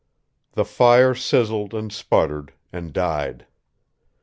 The fire sizzled and sputtered and died.